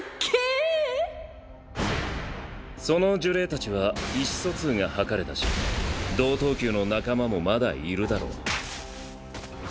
その呪霊たちは意思疎通が図れたし同等級の仲間もまだいるだろう。